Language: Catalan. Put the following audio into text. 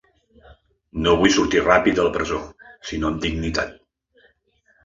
No vull sortir ràpid de la presó, sinó amb dignitat.